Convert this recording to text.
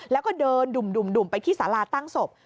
แล้วก็เดินดุ่มไปที่สาราตั้งศพ